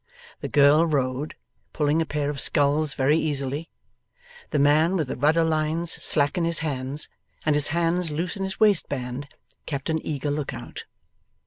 The girl rowed, pulling a pair of sculls very easily; the man, with the rudder lines slack in his hands, and his hands loose in his waistband, kept an eager look out.